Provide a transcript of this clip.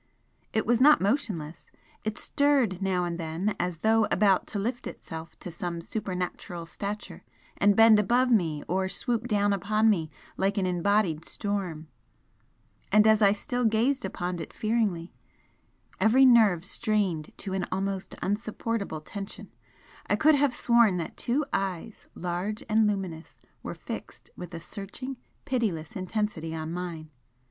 It was not motionless, it stirred now and then as though about to lift itself to some supernatural stature and bend above me or swoop down upon me like an embodied storm, and as I still gazed upon it fearingly, every nerve strained to an almost unsupportable tension, I could have sworn that two eyes, large and luminous, were fixed with a searching, pitiless intensity on mine.